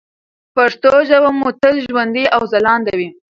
پښتو ژبه مو تل ژوندۍ او ځلانده وي.